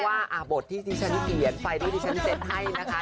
เพราะว่าอ่ะบทที่ฉันเกลี่ยนไฟที่ฉันเสร็จให้นะคะ